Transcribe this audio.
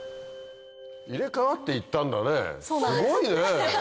入れ替わって行ったんだねすごいね！